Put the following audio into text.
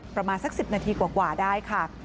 ประมาณสัก๑๐นาทีกว่าได้ค่ะ